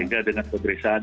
sehingga dengan pemeriksaan